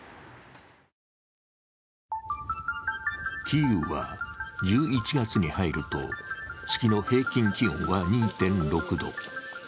キーウは１１月に入ると、月の平均気温は２．６度。